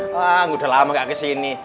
wah udah lama gak kesini